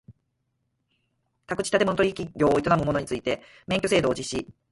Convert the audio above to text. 宅地建物取引業を営む者について免許制度を実施